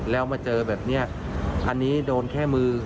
แล้วมาเจอแบบนี้อันนี้โดนแค่มือ